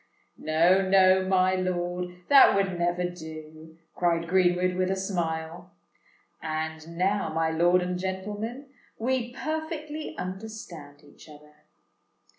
"No—no, my lord; that would never do!" cried Greenwood, with a smile. "And now, my lord and gentlemen, we perfectly understand each other.